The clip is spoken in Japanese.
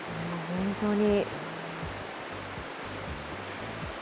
本当に。